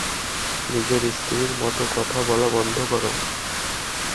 নিজের স্ত্রীর মতো কথা বলা বন্ধ কর।